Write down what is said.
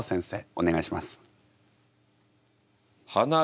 お願いします。